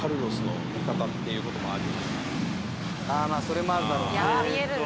まあそれもあるだろう。